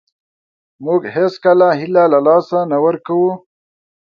موږ هېڅکله هیله له لاسه نه ورکوو .